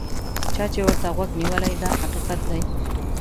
چا چې ورته غوږ نیولی دا حقیقت دی.